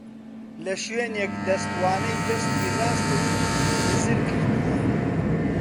لە شوێنێک دەستوانەی دەستی ڕاستم بزر کردووە.